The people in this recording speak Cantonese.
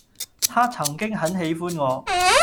她曾經很喜歡我